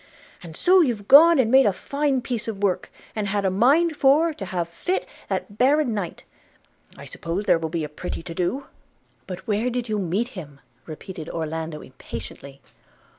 And so you've gone and made a fine piece of work, and had a mind for to have fit that baron knight – I suppose there will be a pretty to do!' 'But where did you meet him?' repeated Orlando impatiently.